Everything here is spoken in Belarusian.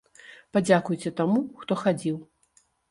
Падзякуйце таму, хто хадзіў.